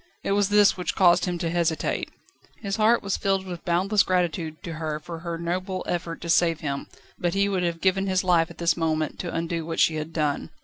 It was this which caused him to hesitate. His heart was filled with boundless gratitude to her for her noble effort to save him, but he would have given his life at this moment, to undo what she had done.